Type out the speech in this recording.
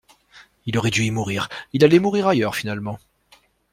Il aurait dû y mourir, il allait mourir ailleurs finalement.